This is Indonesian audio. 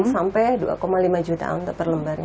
sampai dua lima jutaan per lembarnya